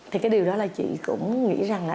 thì cái điều đó là chị cũng nghĩ rằng là